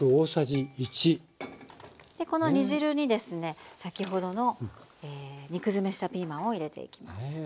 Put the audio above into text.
でこの煮汁にですね先ほどの肉詰めしたピーマンを入れていきます。